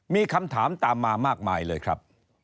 มีคำถามตามมามากมายเลยครับ